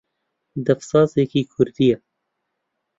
دەف سازێکی کوردییە